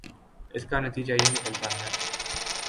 اس کا نتیجہ یہ نکلتا ہے